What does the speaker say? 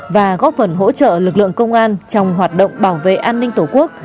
và góp phần hỗ trợ lực lượng công an trong hoạt động bảo vệ an ninh tổ quốc